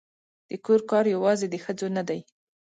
د کور کار یوازې د ښځو نه دی